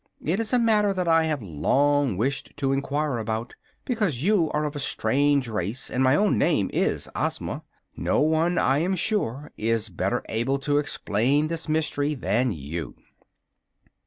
It is a matter that I have long wished to enquire about, because you are of a strange race and my own name is Ozma. No one, I am sure, is better able to explain this mystery than you."